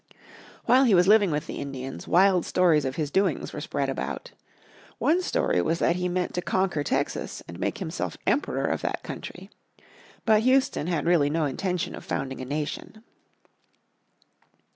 While he was living with the Indians wild stories of his doings were spread about. One story was that he meant to conquer Texas, and make himself Emperor of that country. But Houston had really no intention of founding a nation.